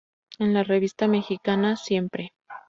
En la revista mexicana "Siempre!